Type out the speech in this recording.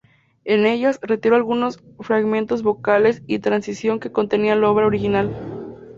En ellas, retiró algunos fragmentos vocales y de transición que contenía la obra original.